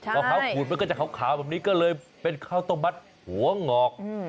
พอเขาขูดมันก็จะขาวแบบนี้ก็เลยเป็นข้าวต้มมัดหัวหงอก